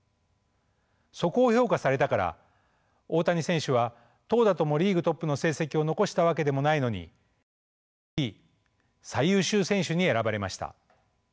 そこを評価されたから大谷選手は投打ともリーグトップの成績を残したわけでもないのにＭＶＰ最優秀選手に選ばれました。